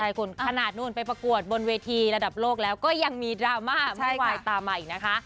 ใช่คุณขนาดนู่นไปประกวดบนเวทีระดับโลกแล้วก็ยังมีดราม่าเมื่อวานตามมาอีกนะคะ